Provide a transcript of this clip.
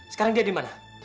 sekarang dia dimana